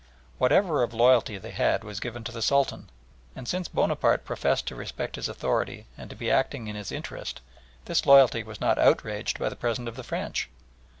Whatever of loyalty they had was given to the Sultan, and since Bonaparte professed to respect his authority and to be acting in his interest, this loyalty was not outraged by the presence of the French.